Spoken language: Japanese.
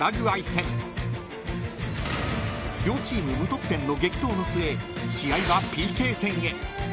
［両チーム無得点の激闘の末試合は］